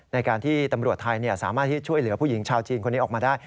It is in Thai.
ในการที่ตำรวจไทยสามารถที่ช่วยเหลือผู้หญิงชาวจีนคนนี้ออกมาได้